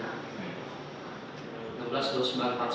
ya lagi ke plus